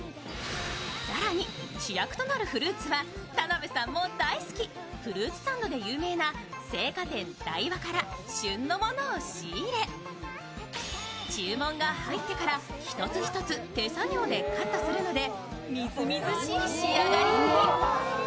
更に、主役となるフルーツは田辺さんも大好き、フルーツサンドで有名な青果店ダイワから旬のものを仕入れ注文が入ってから１つ１つ手作業でカットするのでみずみずしい仕上がりに。